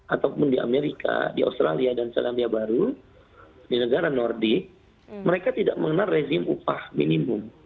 ataupun di amerika di australia dan selandia baru di negara nordik mereka tidak mengenal rezim upah minimum